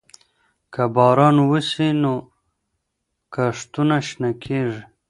که باران وسي، نو کښتونه شنه کيږي.